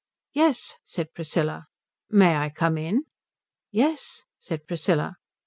"Yes," said Priscilla. "May I come in?" "Yes," said Priscilla.